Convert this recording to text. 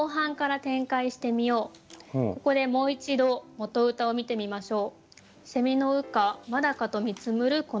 ここでもう一度元歌を見てみましょう。